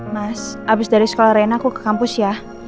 mas abis dari sekolah rena aku ke kampus ya